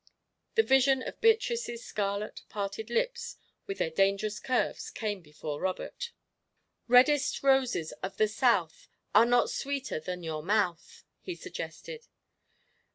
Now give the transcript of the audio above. The vision of Beatrice's scarlet, parted lips, with their dangerous curves, came before Robert. "Reddest roses of the South Are not sweeter than your mouth," he suggested.